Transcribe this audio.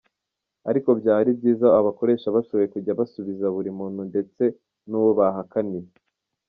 Ariko byaba byiza abakoresha bashoboye kujya basubiza buri muntu ndetse n’uwo bahakaniye.